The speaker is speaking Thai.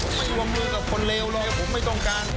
ผมไม่รวมมือกับคนเลวเลยผมไม่ต้องการ